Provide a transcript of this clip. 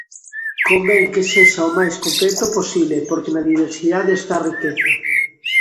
Convén que sexa o máis completo posible porque na diversidade está a riqueza.